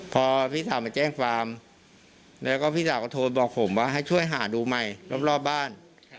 พอพี่สาวมาแจ้งความแล้วก็พี่สาวก็โทรบอกผมว่าให้ช่วยหาดูใหม่รอบบ้าน